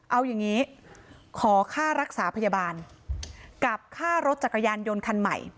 เอาอย่างนี้ขอค่ารักษาพยาบาลกับค่ารถจักรยานยนต์คันใหม่